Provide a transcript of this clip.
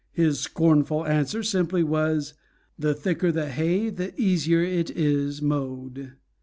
His scornful answer simply was, "The thicker the hay, the easier it is mowed."